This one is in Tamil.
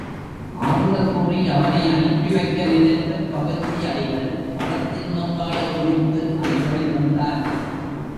ஆறுதல் கூறி அவனை அனுப்பிவைக்க நினைத்துக் கவுந்தி அடிகள் அறத்தின் மேம்பாடு குறித்து அறிவுரை தந்தார்.